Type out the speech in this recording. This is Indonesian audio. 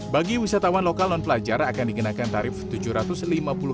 bagi wisatawan lokal non pelajar akan dikenakan tarif tujuh ratus ribu